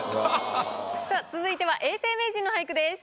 続いては永世名人の俳句です。